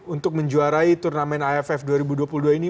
untuk menjuarai turnamen aff dua ribu dua puluh dua ini